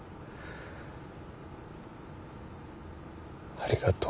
ありがとう。